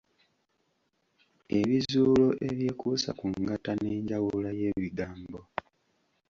Ebizuulo ebyekuusa ku ngatta n’enjawula y’ebigambo.